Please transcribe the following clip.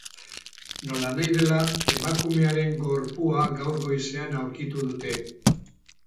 Nolanahi dela, emakumearen gorpua gaur goizean aurkitu dute.